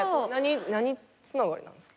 何つながりなんですか？